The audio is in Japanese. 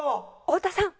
太田さん。